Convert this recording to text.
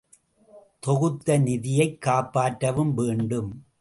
தொகுத்த நிதியைக் காப்பாற்றவும் வேண்டும்.